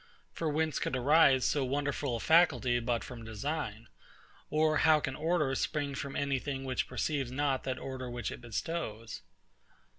For whence could arise so wonderful a faculty but from design? Or how can order spring from any thing which perceives not that order which it bestows?